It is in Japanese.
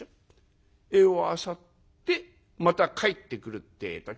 餌をあさってまた帰ってくるってえと。